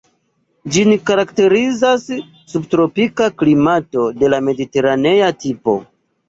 Ĝin karakterizas subtropika klimato de la mediteranea tipo.